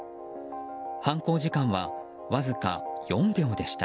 犯行時間はわずか４秒でした。